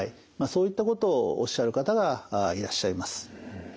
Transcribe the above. そういったことをおっしゃる方がいらっしゃいます。